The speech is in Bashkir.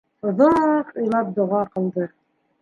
Оҙаҡ илап, доға ҡылды.